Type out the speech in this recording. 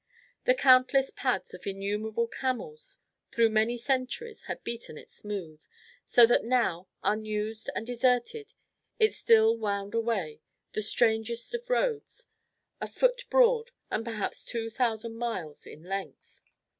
The countless pads of innumerable camels through many centuries had beaten it smooth, so that now, unused and deserted, it still wound away, the strangest of roads, a foot broad, and perhaps two thousand miles in length.